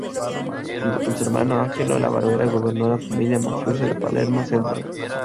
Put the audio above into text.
Junto con su hermano Angelo La Barbera gobernó la familia mafiosa de Palermo Centro.